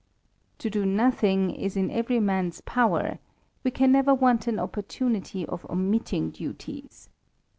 I'o do nothing is in every man's power; we can never want an opportunity of omitting duties.